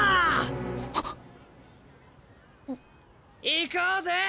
行こうぜ！